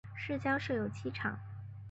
市郊设有机场。